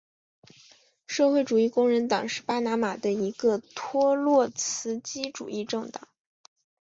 社会主义工人党是巴拿马的一个托洛茨基主义政党。